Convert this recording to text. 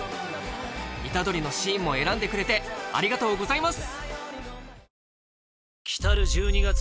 虎杖のシーンも選んでくれてありがとうございます